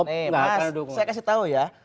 mas saya kasih tau ya